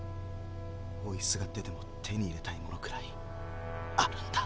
追いすがってでも手に入れたいものくらいあるんだ。